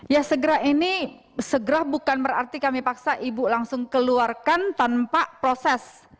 ya segera ini segera bukan berarti kami paksa ibu langsung keluarkan tanpa proses